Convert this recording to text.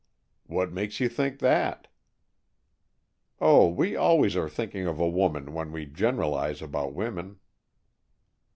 "What makes you think that?" "Oh, we always are thinking of a woman when we generalize about women."